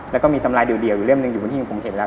แล้วก็มีตำราเดี่ยวอยู่บนที่ผมเห็นกันแหละ